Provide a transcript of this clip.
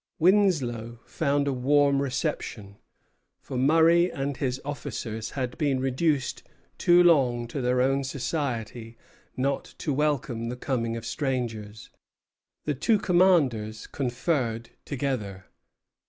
Winslow found a warm reception, for Murray and his officers had been reduced too long to their own society not to welcome the coming of strangers. The two commanders conferred together.